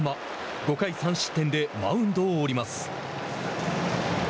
５回３失点でマウンドを降ります。